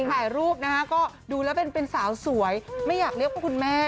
ถ่ายรูปนะคะก็ดูแล้วเป็นสาวสวยไม่อยากเรียกว่าคุณแม่